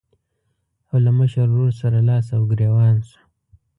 او له مشر ورور سره لاس او ګرېوان شو.